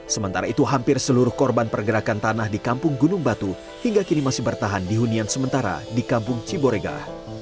sementara itu hampir seluruh korban pergerakan tanah di kampung gunung batu hingga kini masih bertahan di hunian sementara di kampung ciborega